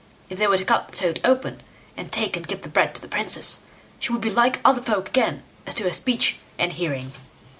If they were to cut the toad open and take and give the bread to the princess, she would be like other folk again as to her speech and hearing."